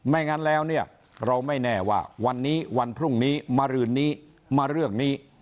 งั้นแล้วเนี่ยเราไม่แน่ว่าวันนี้วันพรุ่งนี้มารืนนี้มาเรื่องนี้